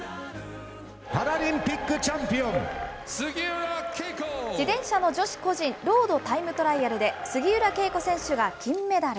パラリンピックチャンピオン、自転車の女子個人ロードタイムトライアルで、杉浦佳子選手が金メダル。